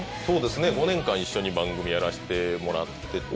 そうですね５年間一緒に番組やらせてもらって。